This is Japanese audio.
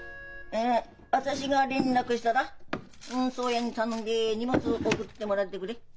あ私が連絡したら運送屋に頼んで荷物送ってもらってくれ。